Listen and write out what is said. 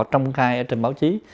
công khai ở trên báo chí